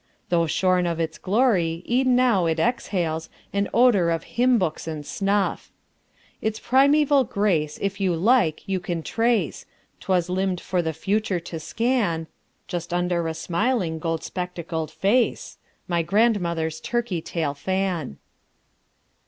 Though shorn of its glory, e'en now it exhales An odor of hymn books and snuff. Its primeval grace, if you like, you can trace: 'Twas limned for the future to scan, Just under a smiling gold spectacled face, My grandmother's turkey tail fan.